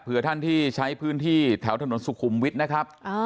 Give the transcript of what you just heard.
เพื่อท่านที่ใช้พื้นที่แถวถนนสุขุมวิทย์นะครับ